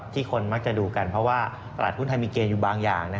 คนมักจะดูกันเพราะว่าตลาดหุ้นไทยมีเกณฑ์อยู่บางอย่าง